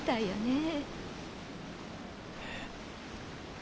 え。